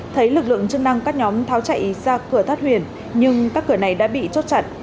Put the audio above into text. thấy lực lượng chức năng các nhóm tháo chạy ra cửa thoát huyền nhưng các cửa này đã bị chốt chặn